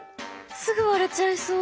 すぐ割れちゃいそう。